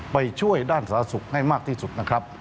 ไปช่วยด้านสาธารณสุขให้มากที่สุดนะครับ